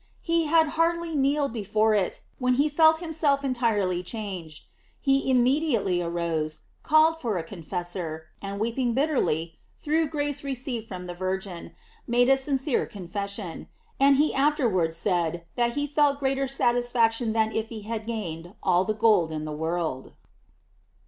He had hardly kneeled be fore it, when he felt himself entirely changed. He immediately arose, called for a confessor, and weeping bitterly, through grace received from the Virgin, made a sincere confession; and he afterwards said that he felt greater satisfac tion than if he had gained all the gold in the world.